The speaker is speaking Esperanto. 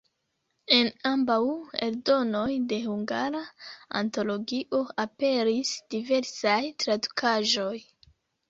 En ambaŭ eldonoj de Hungara Antologio aperis diversaj tradukaĵoj.